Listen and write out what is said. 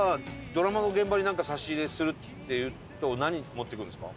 ドラマの現場になんか差し入れするっていうと何持っていくんですか？